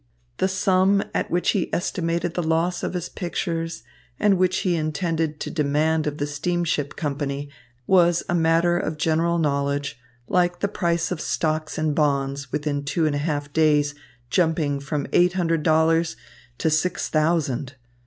The sum at which he estimated the loss of his pictures and which he intended to demand of the steamship company was a matter of general knowledge, like the price of stocks and bonds, within two and a half days jumping from eight hundred dollars to six thousand.